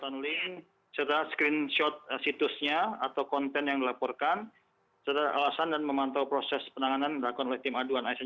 runlynk serta screenshot situsnya atau konten yang dilaporkan serta alasan dan memantau proses penanganan dilakukan oleh tim aduan asn